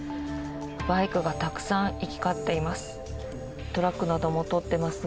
バイクがたくさん行き交っています。